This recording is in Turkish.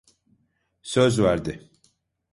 Söz verdi.